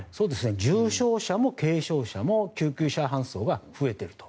重症者も軽症者も救急車搬送が増えていると。